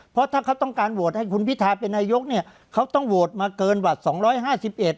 เพราะถ้าเขาต้องการโหวตให้คุณพิทาเป็นนายกเนี่ยเขาต้องโหวตมาเกินหวัดสองร้อยห้าสิบเอ็ด